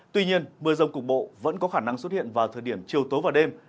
tuy nhiên mưa rông cục bộ vẫn có khả năng xuất hiện vào thời điểm chiều tối và đêm